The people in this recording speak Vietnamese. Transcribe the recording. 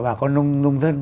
bà con nông dân